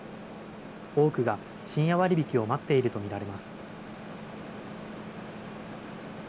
多くが深夜割引を待っていると見られます。